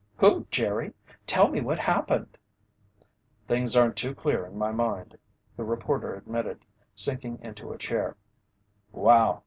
"Who, Jerry? Tell me what happened." "Things aren't too clear in my mind," the reporter admitted, sinking into a chair.